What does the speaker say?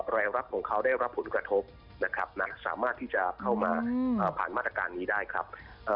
รายรับของเขาได้รับผลกระทบนะครับนะสามารถที่จะเข้ามาผ่านมาตรการนี้ได้ครับ